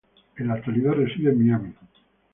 En la actualidad reside en Miami.